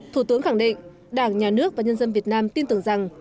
thủ tướng khẳng định đảng nhà nước và nhân dân việt nam tin tưởng rằng